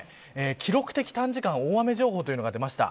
記録的短時間大雨情報というのが出ました。